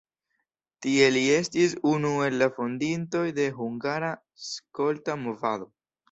Tie li estis unu el la fondintoj de hungara skolta movado.